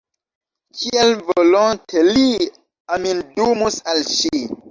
Kiel volonte li amindumus al ŝi!